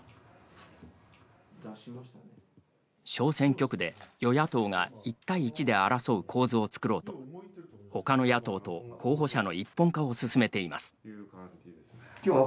小選挙区で、与野党が１対１で争う構図を作ろうとほかの野党と候補者の一本化を進めています。